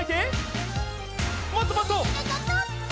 もっともっと！